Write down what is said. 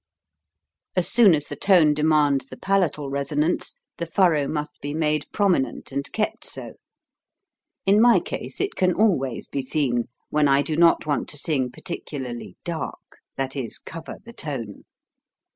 As soon as the tone demands the palatal resonance, the furrow must be made prominent and kept so. In my case it can EQUALIZING THE VOICE. FORM 65 always be seen, when I do not want to sing particularly dark, that is cover the tone.